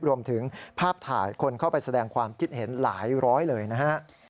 รวมถึงภาพถ่ายคนเข้าไปแสดงความคิดเห็นหลายร้อยเลยนะฮะ